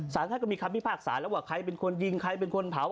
สารท่านก็มีคำพิพากษาแล้วว่าใครเป็นคนยิงใครเป็นคนเผา